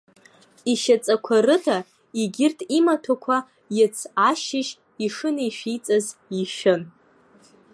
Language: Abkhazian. Ишьаҵақәа рыда егьырҭ имаҭәақәа иац ашьыжь ишынеишәиҵаз ишәын.